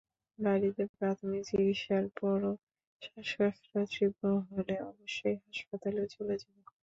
বাড়িতে প্রাথমিক চিকিৎসার পরও শ্বাসকষ্ট তীব্র হলে অবশ্যই হাসপাতালে চলে যাবেন।